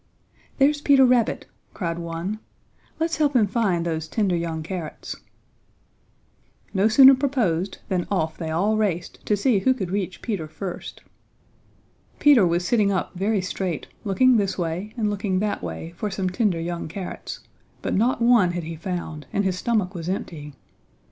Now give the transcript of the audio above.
"There's Peter Rabbit," cried one. "Let's help him find those tender young carrots!" No sooner proposed than off they all raced to see who could reach Peter first. Peter was sitting up very straight, looking this way and looking that way for some tender young carrots, but not one had he found, and his stomach was empty.